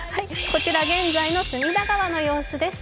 こちら現在の隅田川の様子です。